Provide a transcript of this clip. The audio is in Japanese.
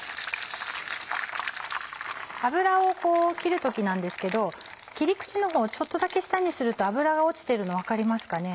油を切る時なんですけど切り口のほうをちょっとだけ下にすると油が落ちてるの分かりますかね？